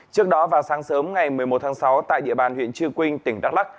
trước đó vào sáng sớm ngày một mươi một tháng sáu tại địa bàn huyện chư quynh tỉnh đắk lắc